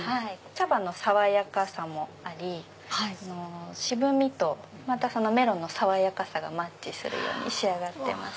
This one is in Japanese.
茶葉の爽やかさもあり渋みとメロンの爽やかさがマッチするように仕上がってます。